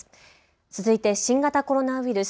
続いて新型コロナウイルス。